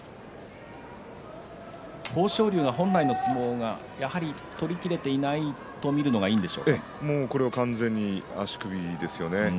豊昇龍が本来の相撲が取りきれていないと見るのがこれは完全に足首ですよね。